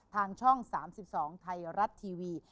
ทางช่อง๓๒ไทยรัฐทีวี